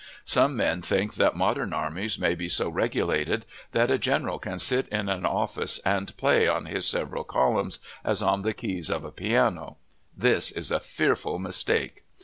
Some men think that modern armies may be so regulated that a general can sit in an office and play on his several columns as on the keys of a piano; this is a fearful mistake.